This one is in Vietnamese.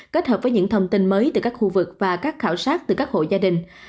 kết hợp với những thông tin mới từ các khu vực và các khảo sát từ các hộ gia đình